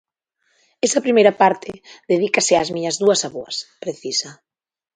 Esa primeira parte dedícase ás miñas dúas avoas, precisa.